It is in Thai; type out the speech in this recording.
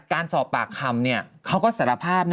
การสอบปากคำเขาก็สารภาพนะ